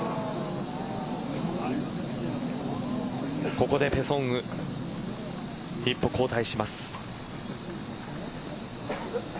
ここでペ・ソンウ一歩後退します。